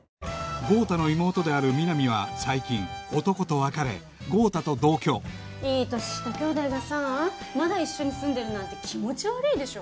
豪太の妹であるみなみは最近男と別れ豪太と同居いい年した兄妹がさまだ一緒に住んでるなんて気持ち悪いでしょ。